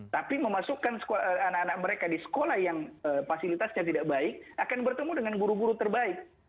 tapi memasukkan anak anak mereka di sekolah yang fasilitasnya tidak baik akan bertemu dengan guru guru terbaik